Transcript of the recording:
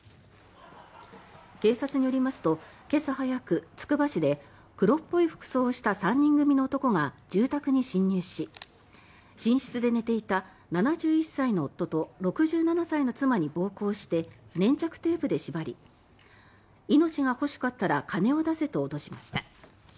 警察によりますと今朝早く、つくば市で黒っぽい服装をした３人組の男が住宅に侵入し寝室で寝ていた７１歳の夫と６７歳の妻に暴行して粘着テープで縛り命が欲しかったら金を出せと脅しました。